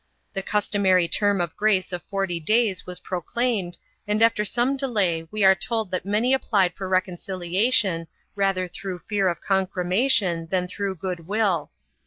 The customary Term of Grace of forty days was proclaimed and after some delay we are told that many applied for reconciliation rather through fear of concremation than through good will.